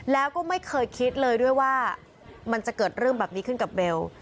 แล้วก็ไม่เคยคิดเลยด้วยว่ามันจะเกิดเรื่องแบบนี้ขึ้นกับเบล